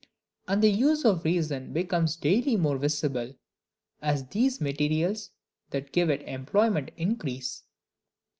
And the use of reason becomes daily more visible, as these materials that give it employment increase.